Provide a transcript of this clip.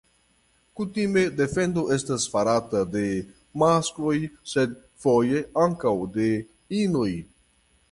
Kutime defendo estas farata de maskloj sed foje ankaŭ de inoj.